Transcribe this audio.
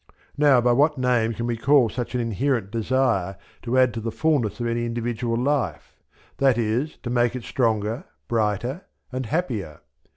Now by what name can we call such an inherent desire to add to the fulness of any individual life that is, to make it stronger, brighter, and happier?